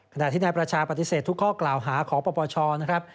ขณะที่นายประชาปฏิเสธทุกข้อกล่าวหาของปปชนะครับ